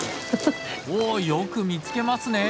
ハハッ。よく見つけますね。